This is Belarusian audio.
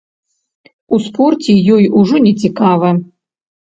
У спорце ёй ужо нецікава.